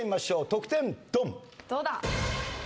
得点ドン！